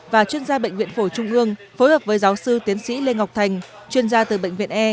và chuyên gia bệnh viện phổi trung ương phối hợp với giáo sư tiến sĩ lê ngọc thành chuyên gia từ bệnh viện e